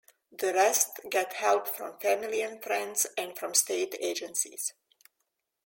The rest get help from family and friends and from state agencies.